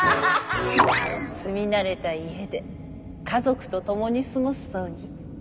住み慣れた家で家族と共に過ごす葬儀。